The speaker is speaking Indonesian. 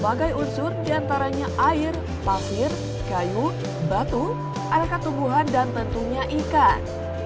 menggunakan unsur diantaranya air pasir kayu batu alat ketumbuhan dan tentunya ikan